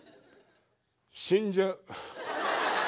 死んじゃう。